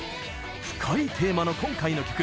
深いテーマの今回の曲。